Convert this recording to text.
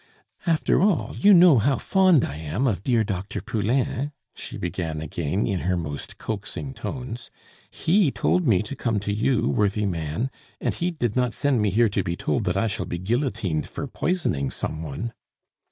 "After all, you know how fond I am of dear Dr. Poulain," she began again in her most coaxing tones; "he told me to come to you, worthy man, and he did not send me here to be told that I shall be guillotined for poisoning some one."